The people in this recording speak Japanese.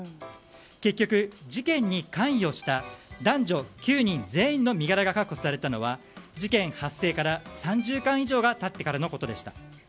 結局、事件に関与した男女９人全員の身柄が確保されたのは事件発生から３０時間以上が経ってからのことでした。